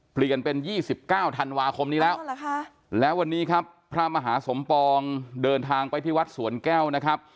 เปลี่ยนเป็น๒๙ธันวาคมนี้แล้วแล้ววันนี้ครับพระมหาสมปองเดินทางไปที่วัดสวนแก้วนะครับ